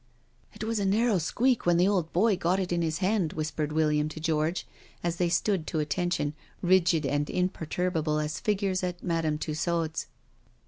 *' It was a narrow squeak when the old boy got it in his hand," whispered William to George, as they stood to attention, rigid and imperturable as figures at Madame Tussaud's.